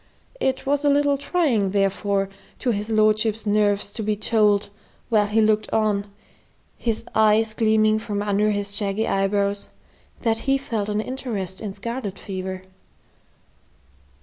It was a little trying, therefore, to his lordship's nerves to be told, while he looked on, his eyes gleaming from under his shaggy eyebrows, that he felt an interest in scarlet fever.